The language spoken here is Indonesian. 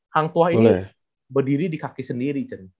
hang tua ini berdiri di kaki sendiri